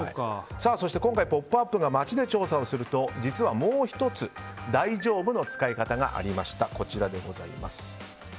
そして、今回「ポップＵＰ！」が街で調査をすると、実はもう１つ大丈夫の使い方がありました。